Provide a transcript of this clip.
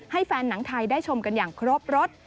ให้แฟนหนังไทยได้ชมกันอย่างครบรส